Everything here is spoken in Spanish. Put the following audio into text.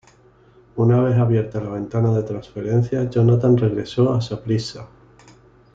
Una vez abierta la ventana de transferencias, Jonathan regresó al Saprissa.